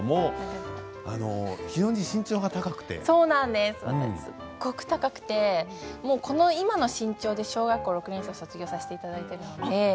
すごく高くて、この今の身長で小学６年生を卒業させていただいているので。